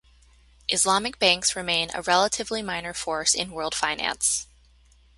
Islamic banks remain a relatively minor force in world finance.